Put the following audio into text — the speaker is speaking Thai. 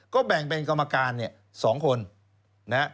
ก็แบ่งเป็นกรรมการเนี่ย๒คนนะฮะ